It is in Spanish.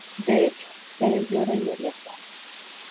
De hecho, se vendió de inmediato.